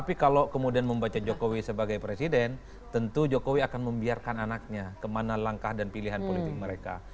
tapi kalau kemudian membaca jokowi sebagai presiden tentu jokowi akan membiarkan anaknya kemana langkah dan pilihan politik mereka